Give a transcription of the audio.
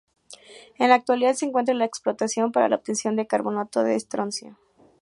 En la actualidad se encuentra la explotación para la obtención de carbonato de estroncio.